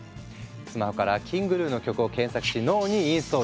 スマホからＫｉｎｇＧｎｕの曲を検索し脳にインストール。